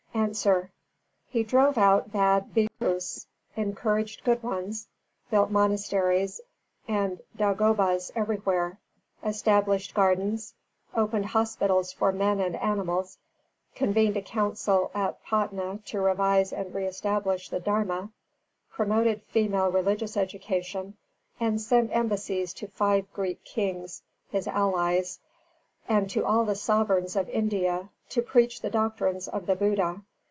_ A. He drove out bad Bhikkhus, encouraged good ones, built monasteries and dāgobas everywhere, established gardens, opened hospitals for men and animals, convened a council at Patna to revise and re establish the Dharma, promoted female religious education, and sent embassies to five Greek kings, his allies, and to all the sovereigns of India, to preach the doctrines of the Buddha.